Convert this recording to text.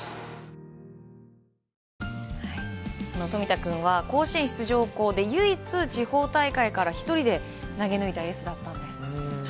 冨田君は、甲子園出場校で唯一地方大会から１人で投げ抜いたエースだったんです。